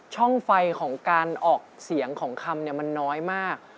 ช่องไฟของการออกเสียงของคำมันน้อยมาก